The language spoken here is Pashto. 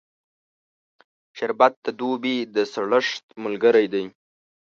شربت د دوبی د سړښت ملګری دی